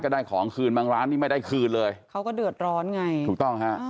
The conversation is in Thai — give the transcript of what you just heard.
ไม่ได้คืนเลยค่ะไม่ได้คืนสักใบเลย